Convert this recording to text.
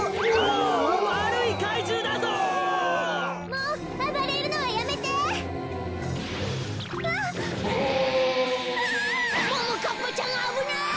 ももかっぱちゃんあぶない！